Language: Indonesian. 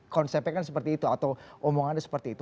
konsepnya kan seperti itu atau omongannya seperti itu